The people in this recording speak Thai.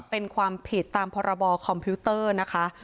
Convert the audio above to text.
เป็นความผิดตามพรบคอมพิวเตอร์นะคะ